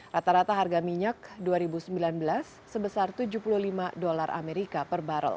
rata rata harga minyak dua ribu sembilan belas sebesar rp tujuh puluh lima